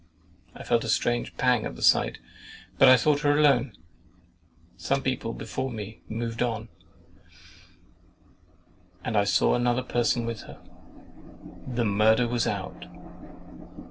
I felt a strange pang at the sight, but I thought her alone. Some people before me moved on, and I saw another person with her. THE MURDER WAS OUT.